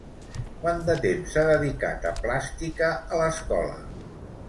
Quant de temps s'ha dedicat a Plàstica a l'escola?